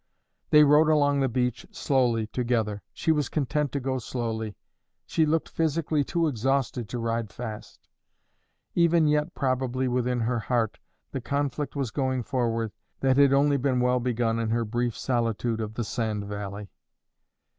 They rode along the beach slowly together. She was content to go slowly. She looked physically too exhausted to ride fast. Even yet probably, within her heart, the conflict was going forward that had only been well begun in her brief solitude of the sand valley.